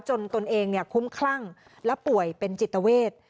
ตนเองคุ้มคลั่งและป่วยเป็นจิตเวท